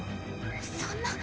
そんな。